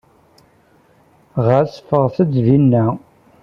Ɣas ffɣet-d seg-inna.